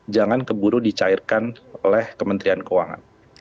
jangan keburu dicairkan oleh kementerian keuangan